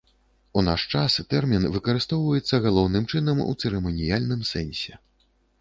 У наш час тэрмін выкарыстоўваецца галоўным чынам у цырыманіяльным сэнсе.